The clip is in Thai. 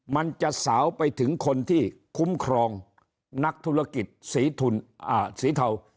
มันจะสาวไปถึงคนที่คุ้มครองนักธุรกิจสีเทา